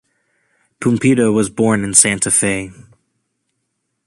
Pumpido was born in Santa Fe.